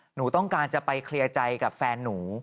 หนูต้องการจะไปเคลียร์ใจกับแฟนหนู